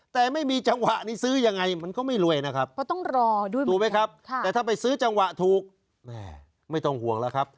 แต่ไม่มีจังหวะนี้ซื้อยังไงมันก็ไม่รวยนะครับก็ต้องรอด้วยถูกไหมครับแต่ถ้าไปซื้อจังหวะถูกแม่ไม่ต้องห่วงแล้วครับ